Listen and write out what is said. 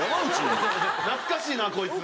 懐かしいなこいつ。